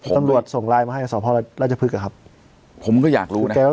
ตำรวจส่งไลน์มาให้สอบภอร์ราชพฤกษ์อ่ะครับผมก็อยากรู้น่ะ